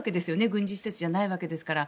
軍事施設じゃないわけですから。